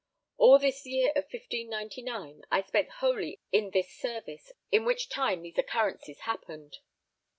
All this year of 1599, I spent wholly in this service, in which time these occurrences happened.